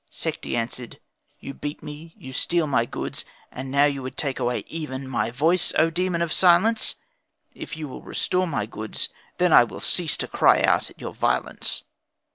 Sekhti answered, "You beat me, you steal my goods, and now would take away even my voice, O demon of silence! If you will restore my goods, then will I cease to cry out at your violence."